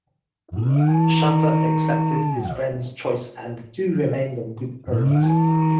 Shaffer accepted his friend's choice and the two remained on good terms.